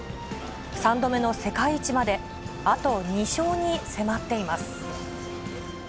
３度目の世界一まで、あと２勝に迫っています。